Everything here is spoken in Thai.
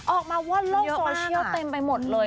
ออกมาว่าโลกโซเชียลเต็มไปหมดเลย